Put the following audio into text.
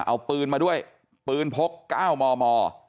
เอาปืนมาด้วยปืนพก๙มม